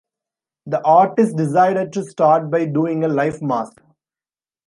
The artist decided to start by doing a life mask.